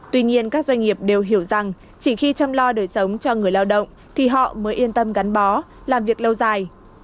tuy nhiên các doanh nghiệp đều hiểu rằng chỉ khi chăm lo đời sống cho người lao động thì họ mới yên tâm gắn bó làm việc lâu dài